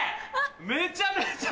めちゃめちゃ。